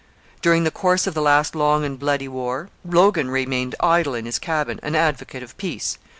During the course of the last long and bloody war, Logan remained idle in his cabin, an advocate of peace.